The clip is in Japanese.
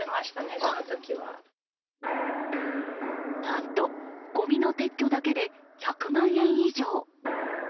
何と、ごみの撤去だけで１００万円以上。